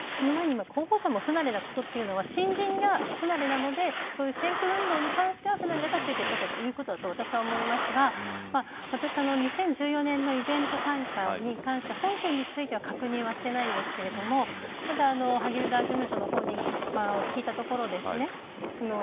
候補者も不慣れなことは新人が不慣れなので選挙運動に関しては付いていった、ということだと私は思いますが２０１４年のイベント参加に関して本件については確認はしていないんですが萩生田事務所の方に聞いたところですね